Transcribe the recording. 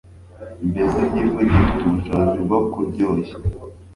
Mbese igifu gifite ubushobozi bwo kuryoshya